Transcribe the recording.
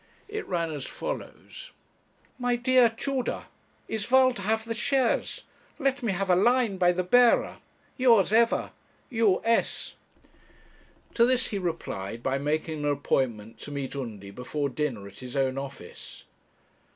It ran as follows: 'MY DEAR TUDOR, 'Is Val to have the shares? Let me have a line by the bearer. 'Yours ever, 'U. S.' To this he replied by making an appointment to meet Undy before dinner at his own office.